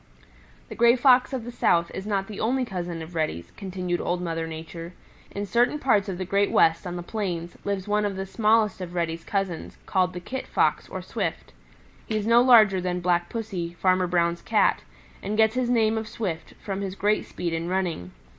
"The Gray Fox of the South is not the only cousin of Reddy's," continued Old Mother Nature. "In certain parts of the Great West, on the plains, lives one of the smallest of Reddy's cousins, called the Kit Fox or Swift. He is no larger than Black Pussy, Farmer Brown's Cat, and gets his name of Swift from his great speed in running.